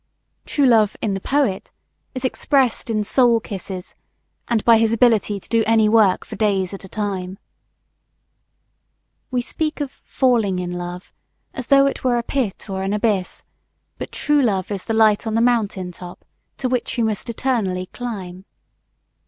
True Love, in the poet, is expressed in soul kisses, and by his inability to do any work for days at a time. We speak of "falling in love," as though it were a pit or an abyss; but True Love is the light on the mountain top, to which we must eternally climb.